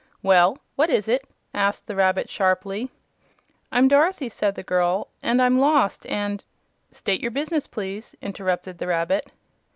"Well! what is it?" asked the rabbit, sharply. "I'm Dorothy," said the girl, "and I'm lost, and " "State your business, please," interrupted the rabbit.